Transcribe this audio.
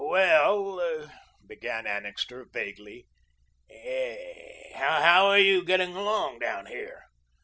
"Well," began Annixter vaguely, "how are you getting along down here?"